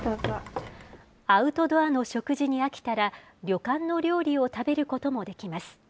アウトドアの食事に飽きたら、旅館の料理を食べることもできます。